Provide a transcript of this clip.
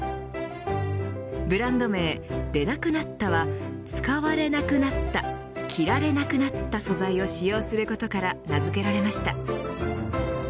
ブランド名ｒｅｎａｃｎａｔｔａは使われなくなった着られなくなった素材を使用することから名付けられました。